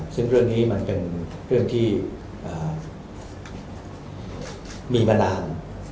ซึ่งเรื่องนี้มันเป็นเรื่องที่มีมานาน